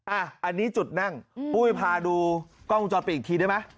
อันนี้จุดนั่งปุ้ยพาดูกล้องวงจรปิดอีกทีได้ไหม